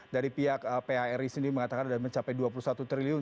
dari pihak phri sendiri mengatakan sudah mencapai dua puluh satu triliun